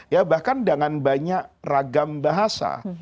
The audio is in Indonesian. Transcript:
ya bahkan dengan banyak ragam bahasa